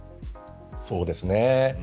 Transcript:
そうですよね。